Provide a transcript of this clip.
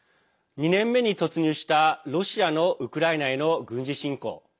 ２年目に突入したロシアのウクライナへの軍事侵攻。